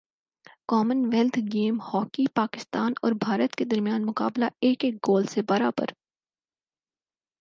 common wealth Games hockey Pakistan اور بھارت کے درمیان مقابلہ ایک ایک گول سے برابر